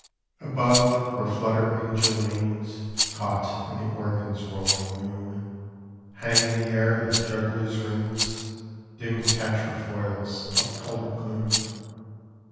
Above, where flutter angel wings Caught in the organ's rolling loom, Hang in the air, like jugglers rings, Dim quatrefoils of coloured gloom.